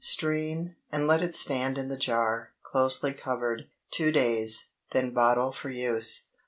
Strain, and let it stand in the jar, closely covered, two days, then bottle for use.